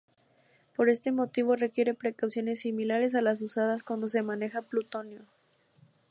Por este motivo, requiere precauciones similares a las usadas cuando se maneja plutonio.